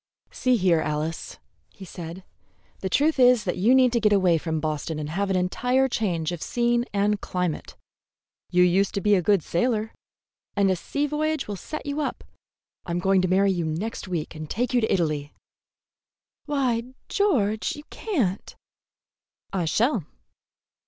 "See here, Alice," he said, "the truth is that you need to get away from Boston and have an entire change of scene and climate. You used to be a good sailor, and a sea voyage will set you up. I'm going to marry you next week and take you to Italy." "Why, George, you can't!" "I shall."